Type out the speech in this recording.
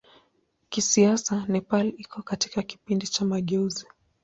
Kisiasa Nepal iko katika kipindi cha mageuzi.